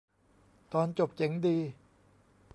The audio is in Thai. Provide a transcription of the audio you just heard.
ตอนจบเจ๋งดี